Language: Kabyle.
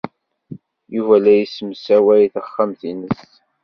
Yuba la yessemsaway taxxamt-nnes.